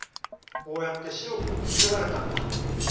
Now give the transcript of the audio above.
こうやって白く作られたんだ。